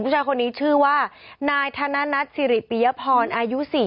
ผู้ชายคนนี้ชื่อว่านายธนัดสิริปิยพรอายุ๔๐